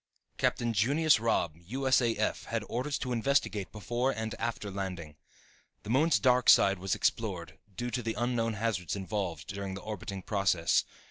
Captain Junius Robb, U.S.A.F., had orders to investigate before and after landing. The moon's dark side was explored, due to the unknown hazards involved, during the orbiting process.